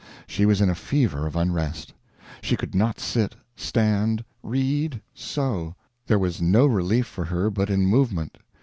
She was in a fever of unrest; she could not sit, stand, read, sew; there was no relief for her but in movement.